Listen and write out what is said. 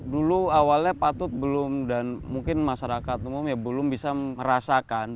dulu awalnya patut belum dan mungkin masyarakat umum ya belum bisa merasakan